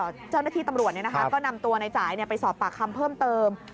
เจ้าหน้าที่ตำรวจก็นำตัวในจ่ายไปสอบปากคำเพิ่มเติม